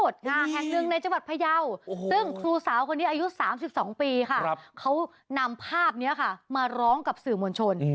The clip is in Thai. ซึ่งครูสาวคนนี้อายุ๓๒ปีค่ะเค้านำภาพเนี้ยค่ะมาร้องกับสื่อหมวนโชน